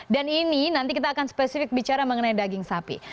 dan ini nanti kita akan spesifik bicara mengenai daging sapi